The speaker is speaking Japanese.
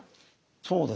そうですね。